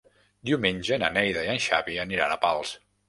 Diumenge na Neida i en Xavi aniran a Pals.